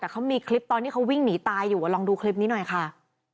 แต่เขามีคลิปตอนที่เขาวิ่งหนีตายอยู่ลองดูคลิปนี้หน่อยค่ะ